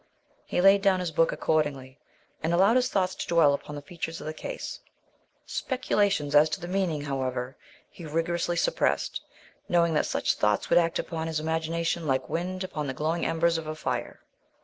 He laid down his book accordingly, and allowed his thoughts to dwell upon the features of the Case. Speculations as to the meaning, however, he rigorously suppressed, knowing that such thoughts would act upon his imagination like wind upon the glowing embers of a fire.